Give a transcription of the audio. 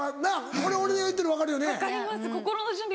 これ俺が言うてるの分かるよね。